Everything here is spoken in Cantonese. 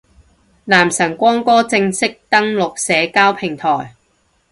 男神光哥正式登陸社交平台